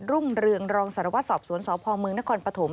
รุ่งเรืองรองสารวัตรสอบสวนสพเมืองนครปฐม